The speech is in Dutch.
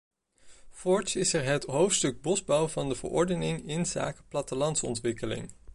Voorts is er het hoofdstuk bosbouw van de verordening inzake plattelandsontwikkeling.